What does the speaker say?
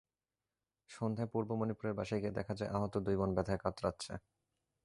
সন্ধ্যায় পূর্ব মণিপুরের বাসায় গিয়ে দেখা যায়, আহত দুই বোন ব্যথায় কাতরাচ্ছে।